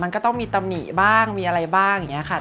มันก็ต้องมีตำหนิบ้างมีอะไรบ้างอย่างนี้ค่ะ